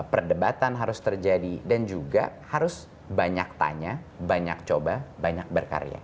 perdebatan harus terjadi dan juga harus banyak tanya banyak coba banyak berkarya